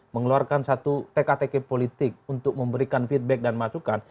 mengeluarkan satu tkt politik untuk memberikan feedback dan masukan